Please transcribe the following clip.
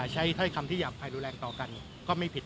ถ้อยคำที่หยาบภัยรุนแรงต่อกันก็ไม่ผิด